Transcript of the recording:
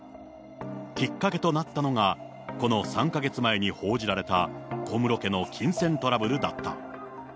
きっかけとなったのが、この３か月前に報じられた小室家の金銭トラブルだった。